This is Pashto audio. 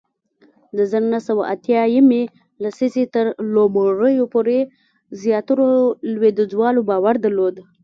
د زر نه سوه اتیا یمې لسیزې تر لومړیو پورې زیاترو لوېدیځوالو باور درلود